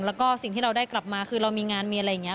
แล้วก็สิ่งที่เราได้กลับมาคือเรามีงานมีอะไรอย่างนี้